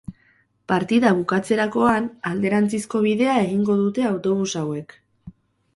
Partida bukatzerakoan alderantzizko bidea egingo dute autobus hauek.